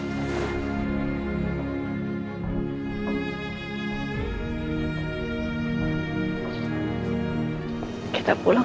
gak ada yang mau berbicara